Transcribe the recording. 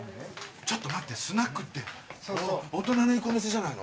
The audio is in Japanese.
ちょっと待ってスナックって大人の行くお店じゃないの。